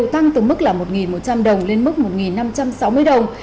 tăng từ mức là một một trăm linh đồng lên mức một năm trăm sáu mươi đồng